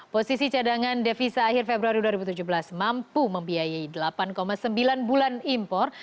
posisi cadangan devisa akhir februari dua ribu tujuh belas mampu membiayai delapan sembilan bulan impor